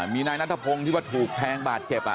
มีนายนัทพงศ์ที่ว่าถูกแทงบาดเจ็บ